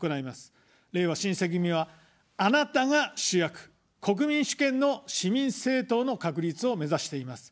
れいわ新選組は、あなたが主役、国民主権の市民政党の確立を目指しています。